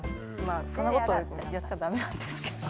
そんなことやっちゃダメなんですけど。